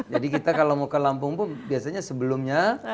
jadi kalau mau ke lampung biasanya sebelumnya